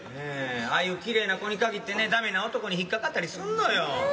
ああいうきれいな子に限ってねだめな男に引っ掛かったりすんのよ。